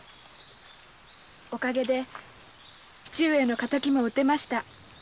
おかげで父上の敵も討てました。